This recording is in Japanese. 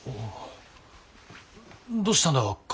どうしたんだカナ。